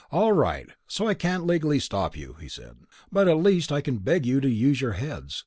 "All right, so I can't legally stop you," he said. "But at least I can beg you to use your heads.